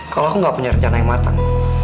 kalau aku gak punya rencana yang matang